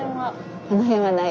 このへんはない？